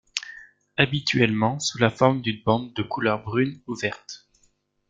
Habituellement sous la forme d'une bande de couleur brune ou verte.